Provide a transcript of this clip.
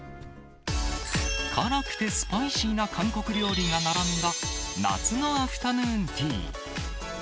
辛くてスパイシーな韓国料理が並んだ夏のアフタヌーンティー。